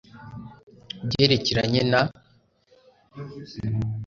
Kubyerekeranye na turrethejuru